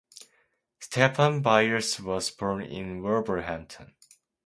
Stephen Byers was born in Wolverhampton.